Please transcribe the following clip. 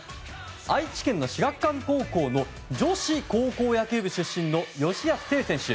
愛知県の至学館高校の女子高校野球部出身の吉安清選手。